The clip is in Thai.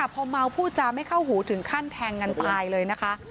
พอเมาพูดจาไม่เข้าหูถึงขั้นแทงกันตายเลยนะคะ